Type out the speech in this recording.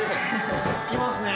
落ち着きますね